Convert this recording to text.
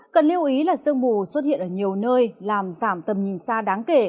cần lưu ý là sương mù xuất hiện ở nhiều nơi làm giảm tầm nhìn xa đáng kể